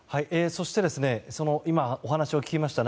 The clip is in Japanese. そして今お話を聞きました